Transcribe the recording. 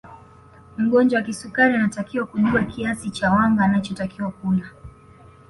Mgonjwa wa kisukari anatakiwa kujua kiasi cha wanga anachotakiwa kula